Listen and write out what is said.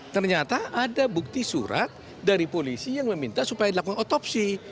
ternyata ada bukti surat dari polisi yang meminta supaya dilakukan otopsi